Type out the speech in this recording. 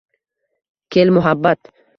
Kel, muhabbat